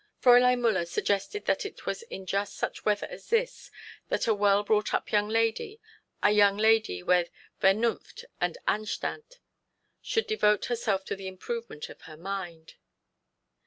Fräulein Müller suggested that it was in just such weather as this that a well brought up young lady, a young lady with Vernunft and Anstand, should devote herself to the improvement of her mind.